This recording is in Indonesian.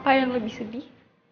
apa yang lebih sedih